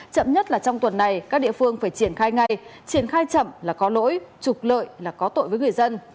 chậm nhất là trong tuần này các địa phương phải triển khai ngay triển khai chậm là có lỗi trục lợi là có tội với người dân